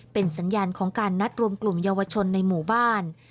เป็นสัญญาณของการนัดรวมกลุ่มเยาวชนในหมู่บ้าน